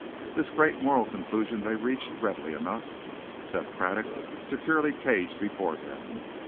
This great moral conclusion they reached readily enough, Seth Craddock securely caged before them.